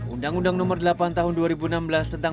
undang undang nomor delapan tahun dua ribu enam belas tentang